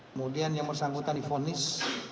kemudian yang bersangkutan di vonis